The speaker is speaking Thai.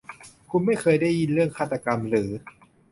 คุณไม่เคยได้ยินเรื่องฆาตกรรมหรือ